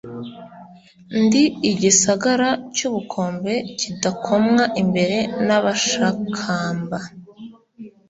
Ndi igisagara cy'ubukombe kidakomwa imbere n'abashakamba